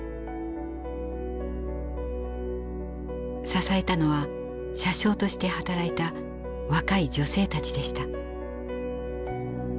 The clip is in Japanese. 支えたのは車掌として働いた若い女性たちでした。